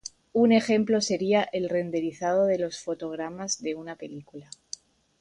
Un ejemplo sería el renderizado de los fotogramas de una película.